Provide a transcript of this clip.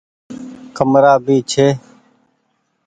ڪمرآ ڀي ڇي ۔